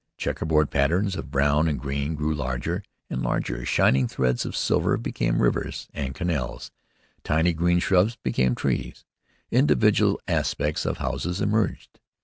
Checkerboard patterns of brown and green grew larger and larger. Shining threads of silver became rivers and canals, tiny green shrubs became trees, individual aspects of houses emerged.